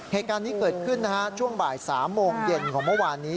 เหตุการณ์นี้เกิดขึ้นนะฮะช่วงบ่าย๓โมงเย็นของเมื่อวานนี้